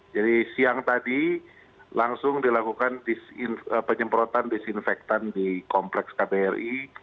jadi siang tadi langsung dilakukan penyemprotan disinfektan di kompleks kbri